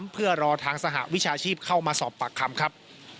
เพื่อรอทางสหวิชาชีพเข้ามาสอบปากคำครับ